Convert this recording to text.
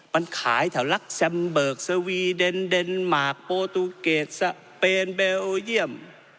มันขายแถวลักซัมเบิร์กสวีเดนเดนมากโปตุเกียร์สเปนเบลเยี่ยม